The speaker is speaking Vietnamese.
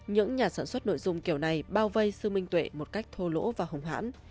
những nhà sản xuất nội dung kiểu này bao vây sự minh tuệ một cách thô lỗ và hùng hãn